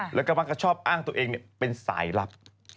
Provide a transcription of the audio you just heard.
แล้วก็มักจะชอบอ้างตัวเองเป็นสายลับ